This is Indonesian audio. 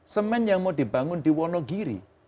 semen yang mau dibangun di wonogiri